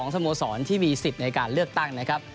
สโมสรที่มีสิทธิ์ในการเลือกตั้งนะครับ